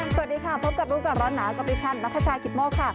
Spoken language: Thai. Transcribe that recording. สวัสดีค่ะพบกับรู้กันร้านหนากับดิฉันนักศักดิ์แชร์กิตมกค่ะ